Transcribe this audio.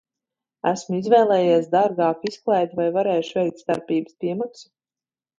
Esmu izvēlējies dārgāku izklaidi, vai varēšu veikt starpības piemaksu?